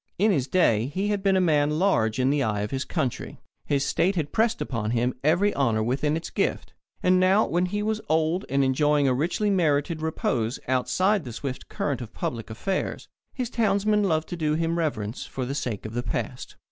In his day he had been a man large in the eye of his country. His state had pressed upon him every honour within its gift. And now when he was old, and enjoying a richly merited repose outside the swift current of public affairs, his townsmen loved to do him reverence for the sake of the past.